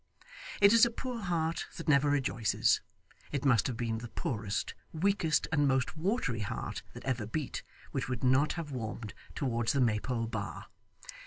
It is a poor heart that never rejoices it must have been the poorest, weakest, and most watery heart that ever beat, which would not have warmed towards the Maypole bar.